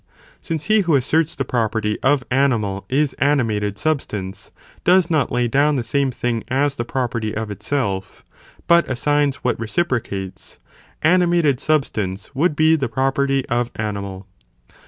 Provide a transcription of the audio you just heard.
since he who asserts the property of animal is animated substance, does not lay down the same thing as the property of itself, but assigns what reciprocates, animated: substance would be the property of animal.